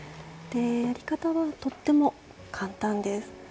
やり方はとっても簡単です。